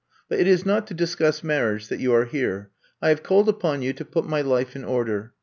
But it is not to discuss marriage that you are here. I have called upon you to put my life in order.